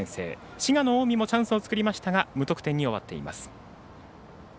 滋賀の近江もチャンスを作りましたが無得点に終わっています。